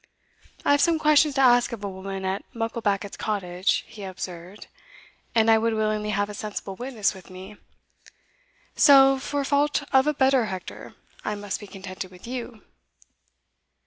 "I have some questions to ask of a woman at Mucklebackit's cottage," he observed, "and I would willingly have a sensible witness with me so, for fault of a better, Hector, I must be contented with you."